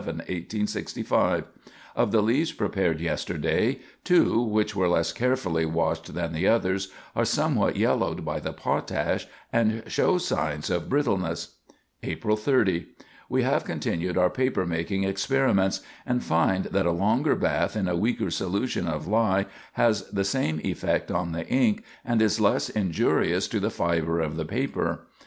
Of the leaves prepared yesterday, two, which were less carefully washed than the others, are somewhat yellowed by the potash and show signs of brittleness. "April 30. We have continued our paper making experiments, and find that a longer bath in a weaker solution of lye has the same effect on the ink, and is less injurious to the fiber of the paper.